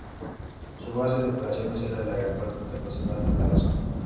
Su base de operaciones era el Aeropuerto Internacional de Carrasco.